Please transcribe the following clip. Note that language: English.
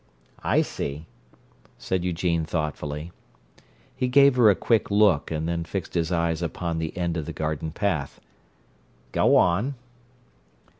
"I see," said Eugene thoughtfully. He gave her a quick look and then fixed his eyes upon the end of the garden path. "Go on."